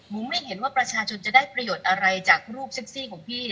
ไม่เห็นว่าประชาชนจะได้ประโยชน์อะไรจากรูปเซ็กซี่ของพี่